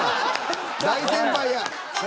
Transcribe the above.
大先輩や！